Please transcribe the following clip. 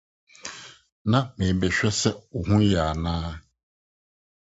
Na mebɛhwɛ sɛ wo ho yɛ a.